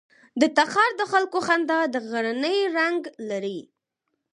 د تخار د خلکو خندا د غرنی رنګ لري.